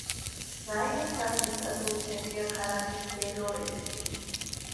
რაიონის ადმინისტრაციული ცენტრია ქალაქი ბელორეცკი.